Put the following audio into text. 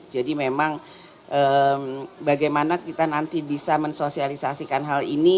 jadi memang bagaimana kita nanti bisa mensosialisasikan hal ini